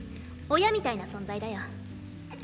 親みたいな存在だよ。